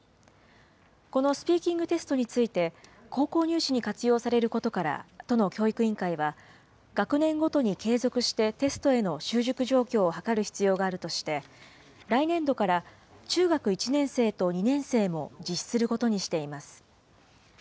このスピーキングテストについて、高校入試に活用されることから、都の教育委員会は、学年ごとに継続してテストへの習熟状況をはかる必要があるとして、来年度から、中学１年生と２年生も実施することにしています。